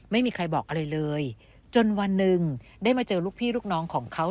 ไม่มีใครบอกอะไรเลยจนวันหนึ่งได้มาเจอลูกพี่ลูกน้องของเขา